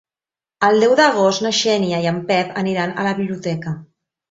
El deu d'agost na Xènia i en Pep aniran a la biblioteca.